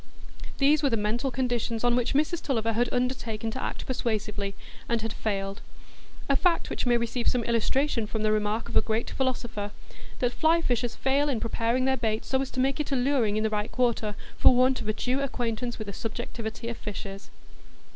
These were the mental conditions on which Mrs Tulliver had undertaken to act persuasively, and had failed; a fact which may receive some illustration from the remark of a great philosopher, that fly fishers fail in preparing their bait so as to make it alluring in the right quarter, for want of a due acquaintance with the subjectivity of fishes.